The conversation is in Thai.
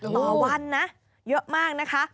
ต่อวันนะเยอะมากนะคะ